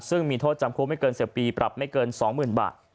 ซึ่งมีโทษจำคุกไม่เกิน๑๐ปีปรับไม่เกิน๒๐๐๐บาท